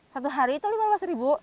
satu hari itu lima belas ribu